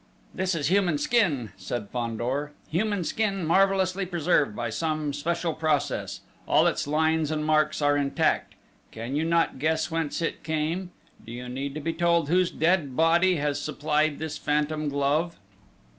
"This is human skin," said Fandor. "Human skin marvellously preserved by some special process: all its lines and marks are intact. Can you not guess whence it came? Do you need to be told whose dead body has supplied this phantom glove?"